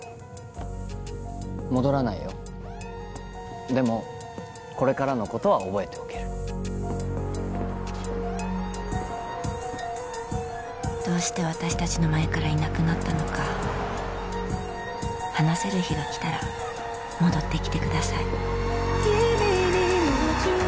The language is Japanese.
戻らないよでもこれからのことは覚えておけるどうして私達の前からいなくなったのか話せる日が来たら戻ってきてください